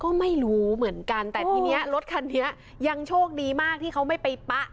ก็ไม่รู้เหมือนกันแต่ทีนี้รถคันนี้ยังโชคดีมากที่เขาไม่ไปปะ